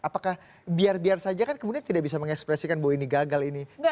apakah biar biar saja kan kemudian tidak bisa mengekspresikan bahwa ini gagal ini